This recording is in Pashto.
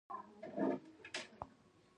ایا هغه ښه شو؟